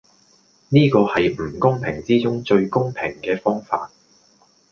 呢個係唔公平之中最公平既方法